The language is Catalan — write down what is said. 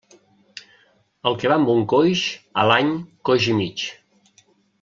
El que va amb un coix, a l'any coix i mig.